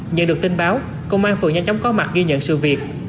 nhưng được tin báo công an phượng nhanh chóng có mặt ghi nhận sự việc